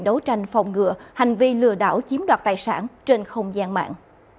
đấu tranh phòng ngựa hành vi lừa đảo chiếm đoạt tài sản trên không gian mạng